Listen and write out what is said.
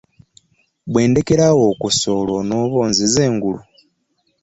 Bwendekerawo okussa olwo onoba onziza engulu .